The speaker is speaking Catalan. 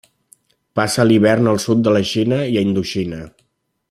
Passa l'hivern al sud de la Xina i Indoxina.